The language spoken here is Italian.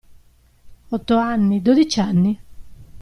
Otto anni, dodici anni?